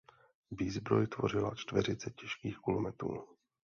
Výzbroj tvořila čtveřice těžkých kulometů.